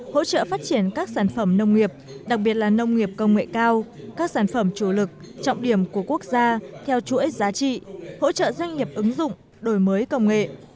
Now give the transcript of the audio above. hỗ trợ phát triển các sản phẩm nông nghiệp đặc biệt là nông nghiệp công nghệ cao các sản phẩm chủ lực trọng điểm của quốc gia theo chuỗi giá trị hỗ trợ doanh nghiệp ứng dụng đổi mới công nghệ